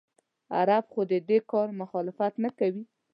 عرب خو د دې کار مخالفت نه کوي.